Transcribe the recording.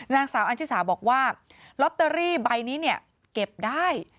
นางสาวอันชิสาบอกว่าลอตเตอรี่ใบนี้เนี่ยเก็บได้